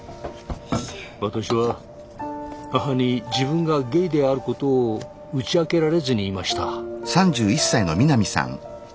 私は母に自分がゲイであることを打ち明けられずにいました。